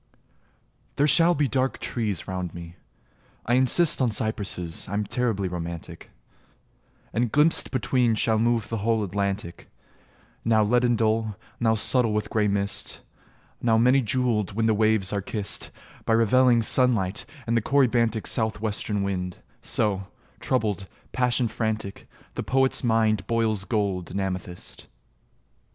There shall be dark trees round me: I insist On cypresses: I'm terribly romantic And glimpsed between shall move the whole Atlantic, Now leaden dull, now subtle with grey mist, Now many jewelled, when the waves are kissed By revelling sunlight and the corybantic South Western wind: so, troubled, passion frantic, The poet's mind boils gold and amethyst.